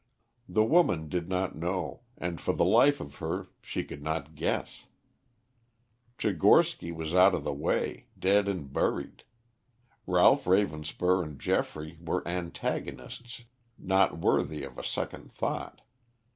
The woman did not know, and for the life of her she could not guess. Tchigorsky was out of the way dead and buried. Ralph Ravenspur and Geoffrey were antagonists not worthy of a second thought.